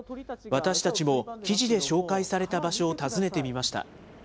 私たちも記事で紹介された場所を訪ねてみました。